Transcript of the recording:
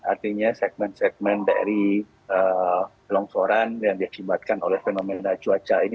artinya segmen segmen dari longsoran yang diakibatkan oleh fenomena cuaca ini